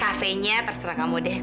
kafe nya terserah kamu deh